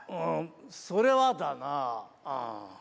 それはだな。